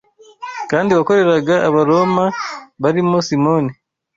kandi wakoreraga Abaroma; barimo Simoni